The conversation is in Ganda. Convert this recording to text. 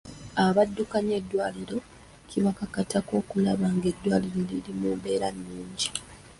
Abaddukanya eddwaliro kibakakatako okulaba ng'eddwaliro liri mu mbeera nnungi.